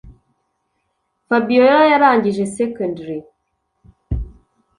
fabiora yarangije secondary